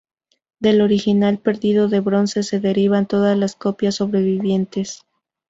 Del original perdido de bronce se derivan todas las copias sobrevivientes.